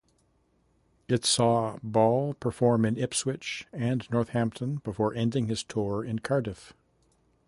It saw Ball perform in Ipswich and Northampton before ending his tour in Cardiff.